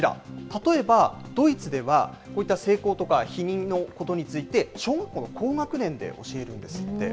例えばドイツでは、こういった性交とか避妊のことについて、小学校の高学年で教えるんですって。